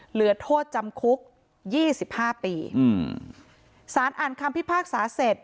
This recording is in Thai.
เหลือโทษจำคุกยี่สิบห้าปีอืมสารอ่านคำพิพากษาเสร็จ